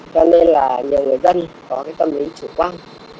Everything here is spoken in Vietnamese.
cho nên là nhiều người dân có cái tâm lý chủ quan